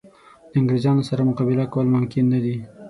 د انګرېزانو سره مقابله کول ممکن نه دي.